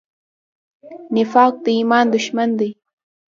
نفاق د ایمان دښمن دی.